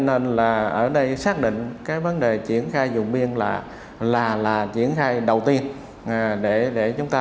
nên là ở đây xác định cái vấn đề triển khai dùng biên là là là triển khai đầu tiên để để chúng ta